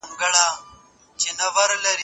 د شپې خولې کېدل راپورته کېږي.